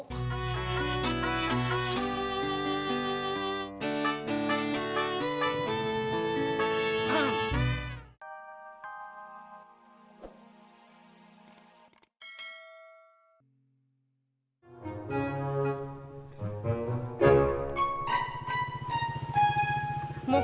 sampai jumpa lagi